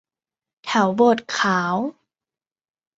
แถวโบสถ์ขาว